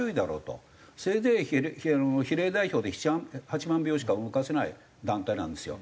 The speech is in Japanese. せいぜい比例代表で７８万票しか動かせない団体なんですよ。